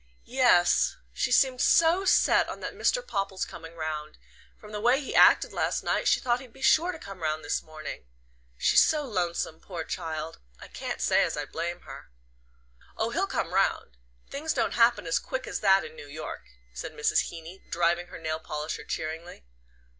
"Yes. She seemed so set on that Mr. Popple's coming round. From the way he acted last night she thought he'd be sure to come round this morning. She's so lonesome, poor child I can't say as I blame her." "Oh, he'll come round. Things don't happen as quick as that in New York," said Mrs. Heeny, driving her nail polisher cheeringly.